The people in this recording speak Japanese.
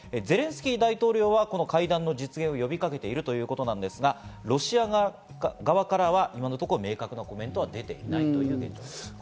ゼレンスキー大統領はこの会談の実現を呼びかけているということなんですが、ロシア側からは今のところ明確なコメントは出ていないということです。